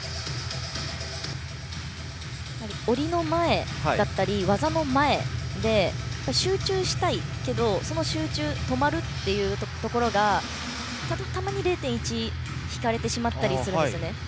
下りの前だったり技の前で集中したいけどその集中が止まるというところがたまに０．１引かれてしまったりするんですね。